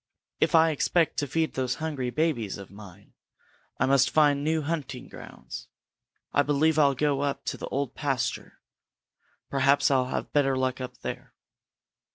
If I expect to feed those hungry babies of mine, I must find new hunting grounds. I believe I'll go up to the Old Pasture. Perhaps I'll have better luck up there."